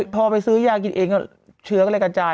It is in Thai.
พอไปซื้อยากินเองก็เชื้อก็เลยกระจาย